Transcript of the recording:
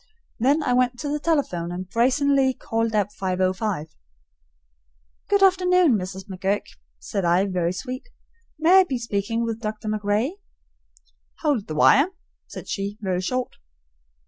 Then I went to the telephone and brazenly called up 505. "Good afternoon, Mrs. McGurk," said I, very sweet. "May I be speaking with Dr. MacRae?" "Howld the wire," said she, very short.